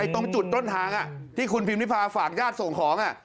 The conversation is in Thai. ตรงจุดต้นทางที่คุณพิมพิพาฝากญาติส่งของ